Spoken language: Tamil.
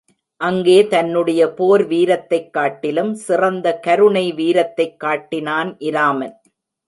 அங்கே தன்னுடைய போர் வீரத்தைக் காட்டிலும் சிறந்த கருணை வீரத்தைக் காட்டினான் இராமன்.